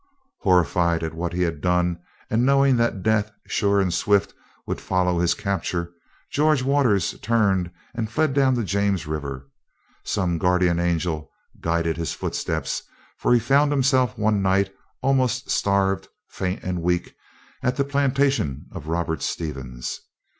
Horrified at what he had done, and knowing that death, sure and swift, would follow his capture, George Waters turned and fled down the James River. Some guardian angel guided his footsteps, for he found himself one night, almost starved, faint and weak, at the plantation of Robert Stevens.